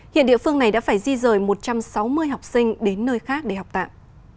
hiện địa phương này đã phải di rời một trăm sáu mươi học sinh đến nơi khác để học tạm